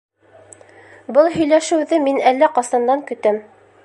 - Был һөйләшеүҙе мин әллә ҡасандан көтәм.